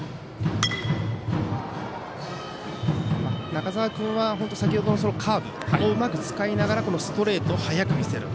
中澤君は先ほどのカーブをうまく使いながらストレートを速く見せる。